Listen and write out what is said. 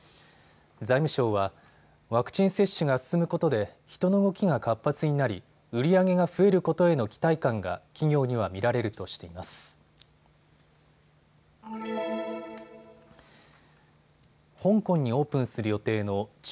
財務省はワクチン接種が進むことで人の動きが活発になり売り上げが増えることへの期待感が企業には見られるとしています。